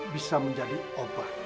bisa menjadi obat